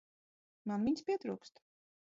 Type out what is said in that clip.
Man viņas pietrūkst.